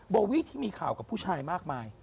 โบวี่ที่มีข่าวกับผู้ชายมากมาย